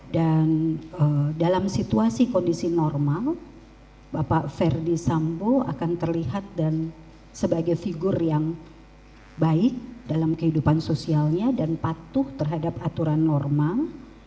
dan dalam situasi kondisi normal bapak ferdi sambo akan terlihat dan sebagai figur yang baik dalam kehidupan sosialnya dan patuh terhadap aturan normal